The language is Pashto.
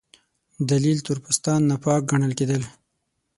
دلیل: تور پوستان ناپاک ګڼل کېدل.